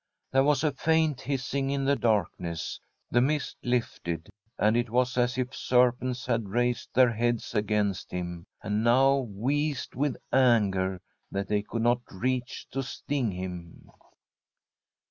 There was a faint hissing in the darkness. The mist lifted, and it was as if serpents had raised Tbi STORY 9/ a COUNTRY HOUSE their heads against him, and now wheezed with anger that they could not reach to sting him.